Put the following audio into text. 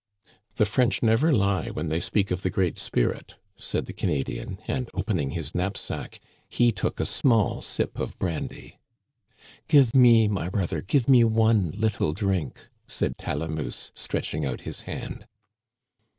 " The French never lie when they speak of the Great Spirit," said the Canadian ; and, opening his knapsack, he took a small sip of brandy. "Give me, my brother, give me one little drink," said Talamousse, stretching out his hand.